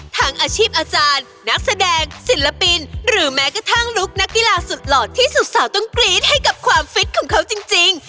อาชีพอาจารย์นักแสดงศิลปินหรือแม้กระทั่งลุคนักกีฬาสุดหล่อที่สุดสาวต้องกรี๊ดให้กับความฟิตของเขาจริง